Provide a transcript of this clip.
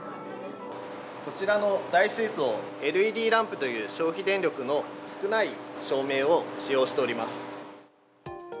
こちらの大水槽、ＬＥＤランプという、消費電力の少ない照明を使用しております。